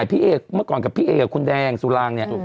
พี่เอเมื่อก่อนกับพี่เอกับคุณแดงสุรางเนี่ย